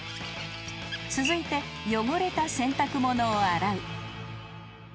［続いて汚れた洗濯物を洗う］